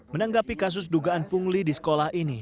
menanggapi kasus dugaan pungli di sekolah ini